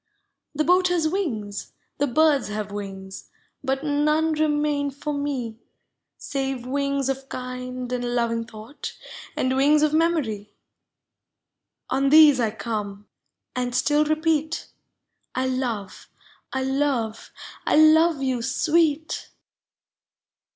The boat has wings, the birds have wings. But none remain for me Digitized by Google POEMS OF HOME Save wings of kind and loving thought And wings of memory. On these 1 come, and still repeat — 1 love, 1 love, 1 love you, Sweet